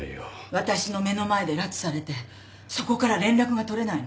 私の目の前で拉致されてそこから連絡が取れないの。